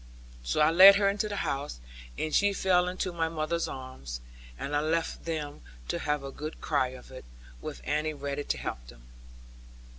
So I led her into the house, and she fell into my mother's arms; and I left them to have a good cry of it, with Annie ready to help them.